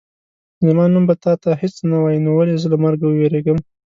زما نوم به تا ته هېڅ نه وایي نو ولې زه له مرګه ووېرېږم.